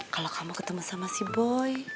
kalau kamu ketemu sama si boy